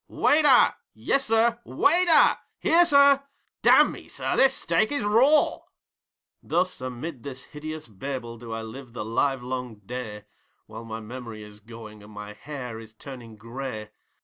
'Waiter!' 'Yessir!' 'WAITER!!' 'Here, sir!' 'Damme, sir, this steak is RAW!' Thus amid this hideous Babel do I live the livelong day, While my memory is going, and my hair is turing grey.